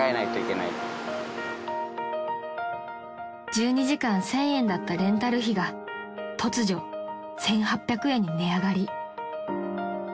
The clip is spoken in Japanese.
［１２時間１，０００円だったレンタル費が突如１，８００円に値上がり］